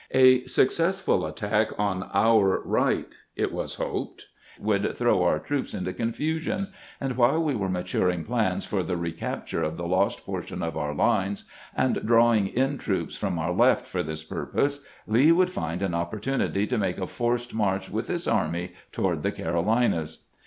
A successful attack on our right, it was hoped, would throw our troops into confusion, and while we were maturing plans for the recapture of the lost portion of our lines, and drawing in troops from our left for this purpose, Lee would find an opportunity to make a forced march with his army toward the Oarolinas.